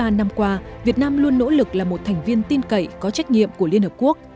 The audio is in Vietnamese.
ba năm qua việt nam luôn nỗ lực là một thành viên tin cậy có trách nhiệm của liên hợp quốc